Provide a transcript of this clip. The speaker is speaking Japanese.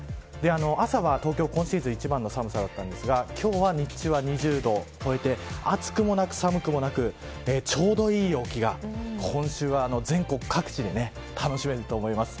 朝は、東京、今シーズン一番の寒さだったんですが今日は日中は２０度を超えて暑くもなく寒くもなくちょうどいい陽気が今週は全国各地で楽しめると思います。